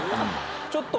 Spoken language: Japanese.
ちょっと。